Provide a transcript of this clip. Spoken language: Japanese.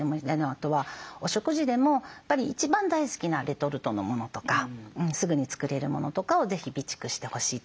あとはお食事でもやっぱり一番大好きなレトルトのものとかすぐに作れるものとかを是非備蓄してほしいと思います。